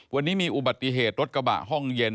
วันนี้มีอุบัติเหตุรถกระบะห้องเย็น